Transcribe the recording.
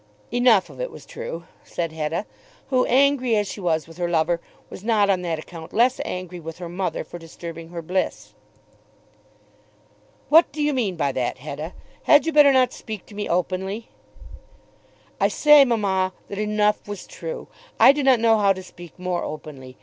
"Enough of it was true," said Hetta, who, angry as she was with her lover, was not on that account less angry with her mother for disturbing her bliss. "What do you mean by that, Hetta? Had you not better speak to me openly?" "I say, mamma, that enough was true. I do not know how to speak more openly.